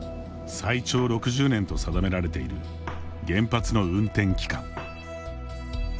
最長６０年と定められている原発の運転期間。